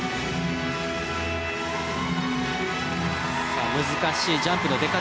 さあ難しいジャンプの出方。